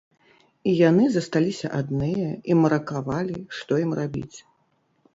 І яны засталіся адныя і маракавалі, што ім рабіць.